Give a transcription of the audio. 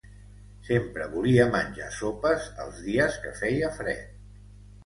Sempre volia menjar sopes els dies que feia fred.